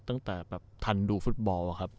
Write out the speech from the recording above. ตั้งแต่แบบทันดูฟุตบอลอะครับ